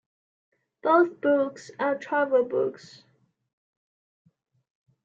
Both books are travel books.